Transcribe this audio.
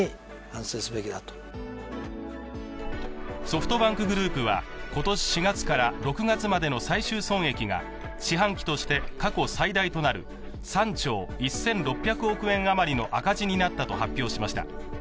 ソフトバンクグループは今年４月から６月までの最終損益が四半期として過去最大となる３兆１６００億円余りの赤字になったと発表しました。